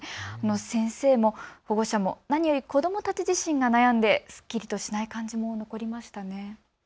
先生も保護者も何より子どもたち自身も悩んですっきりとしない感じもありましたね。